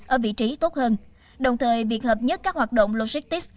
ở vị trí tốt hơn đồng thời việc hợp nhất các hoạt động logistics